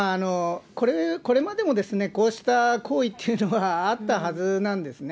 これまでも、こうした行為っていうのはあったはずなんですね。